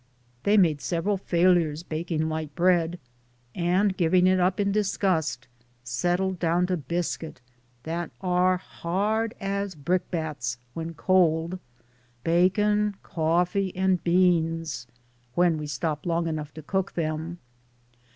They made several failures baking light bread, and, giving it up in disgust, settled down to biscuit, that are hard as brick bats, when cold, bacon, coffee, and beans — when we stop long enough to cook them.